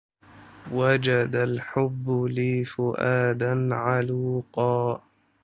وجد الحب لي فؤادا علوقا